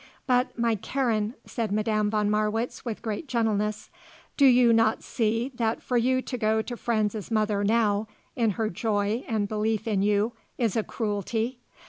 "But, my Karen," said Madame von Marwitz with great gentleness, "do you not see that for you to go to Franz's mother now, in her joy and belief in you, is a cruelty?